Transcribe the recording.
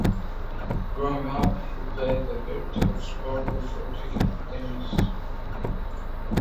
Growing up, he played a variety of sports before taking up tennis.